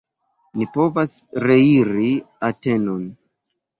Ni povas reiri Atenon!